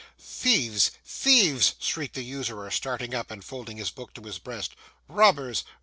'Thieves! thieves!' shrieked the usurer, starting up and folding his book to his breast. 'Robbers!